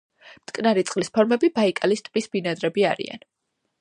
მტკნარი წყლის ფორმები ბაიკალის ტბის ბინადრები არიან.